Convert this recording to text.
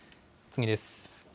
次です。